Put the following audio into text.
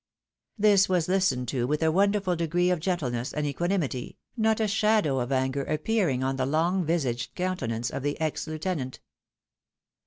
This was listened to with a wonderful degree of gentleness and equanimity, not a shadow of anger appearing on the long visaged countenance of the ex lieutenant.